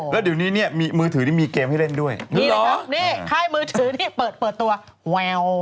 แล้วเดี๋ยวนี้มือถือนี่มีเกมให้เล่นด้วยนี่แหละครับค่ายมือถือนี่เปิดตัว